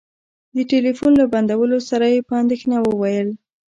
د ټلفون له بندولو سره يې په اندېښنه وويل.